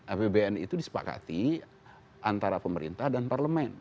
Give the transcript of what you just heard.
apbn itu disepakati antara pemerintah dan parlemen